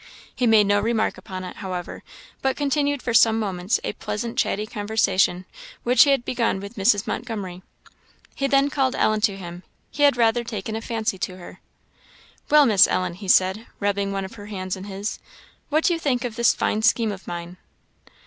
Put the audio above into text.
He made no remark upon it, however, but continued for some moments a pleasant chatty conversation which he had begun with Mrs. Montgomery. He then called Ellen to him; he had rather taken a fancy to her. "Well, Miss Ellen," he said, rubbing one of her hands in his, "what do you think of this fine scheme of mine?"